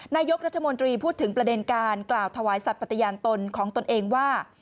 นายกรัฐมนตรีพูดถึงประเด็นการกล่าวถวายสัตว์ปฏิญาณตนของตนเองว่า